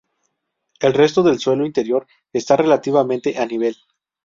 El resto del suelo interior está relativamente a nivel.